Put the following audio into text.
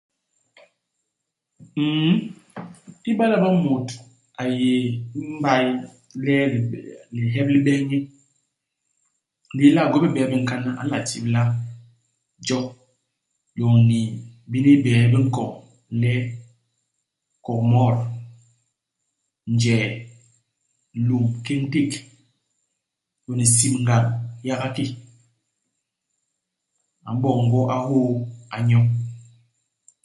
Nn, iba le bo mut a yé i mbay le lihep li m'bes nye, ndi le a gwéé bé bie bi nkana, a nla tibila jo lôñni bini bie bi nkoñ le kôgmot, njee, lum, hikéñ-ték, lôñni sibngañ yaga ki. A m'boñ gwo, a hôô, a nyo.